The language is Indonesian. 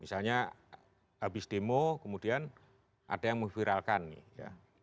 misalnya habis demo kemudian ada yang memviralkan nih ya